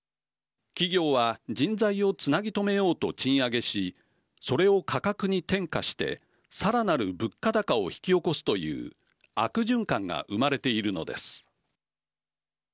企業は人材をつなぎとめようと賃上げしそれを価格に転嫁して、さらなる物価高を引き起こすという悪循環が生まれているのです。